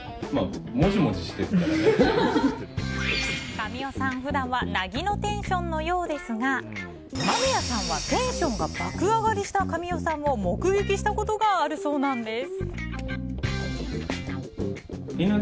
神尾さん、普段はなぎのテンションのようですが間宮さんはテンションが爆上がりした神尾さんを目撃したことがあるそうなんです。